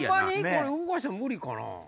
これ動かしても無理かな。